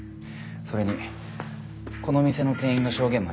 それにこの店の店員の証言もあります。